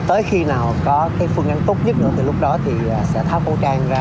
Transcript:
tới khi nào có cái phương ánh tốt nhất nữa thì lúc đó thì sẽ tháo bẩu trang ra